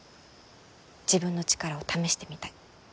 自分の力を試してみたい。